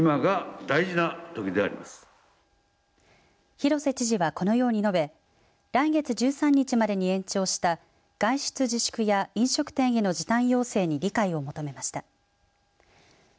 広瀬知事はこのように述べ来月１３日までに延長した外出自粛や飲食店への時短要請に理解を求めました。